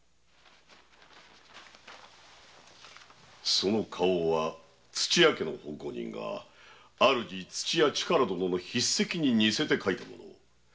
その花押は土屋家の奉公人が主土屋主税殿の筆跡に似せて書いたもの。